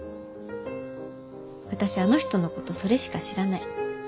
私あの人のことそれしか知らない。